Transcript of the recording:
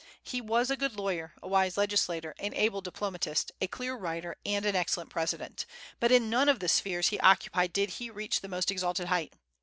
He was a good lawyer, a wise legislator, an able diplomatist, a clear writer, and an excellent president; but in none of the spheres he occupied did he reach the most exalted height.